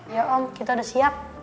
ya om kita udah siap